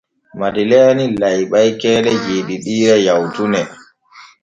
Madeleeni layɓay keeɗe jeeɗiɗiire yawtune.